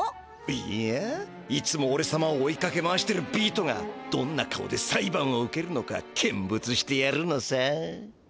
いやいつもおれさまを追いかけ回してるビートがどんな顔で裁判を受けるのか見物してやるのさ！